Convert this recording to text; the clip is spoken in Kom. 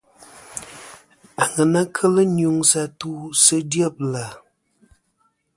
Aŋena kel nyuŋsɨ atu sɨ dyebla.